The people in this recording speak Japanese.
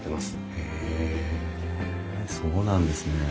へえそうなんですね。